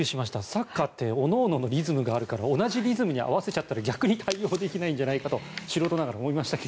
サッカーって各々のリズムがあるから同じリズムに合わせちゃったら逆に対応できないんじゃないかと素人ながらに思いましたが。